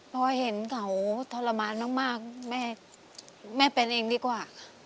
พอเห็นเขาทรมานมากแม่เป็นเองดีกว่า